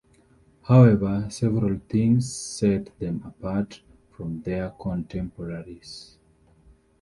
However, several things set them apart from their contemporaries.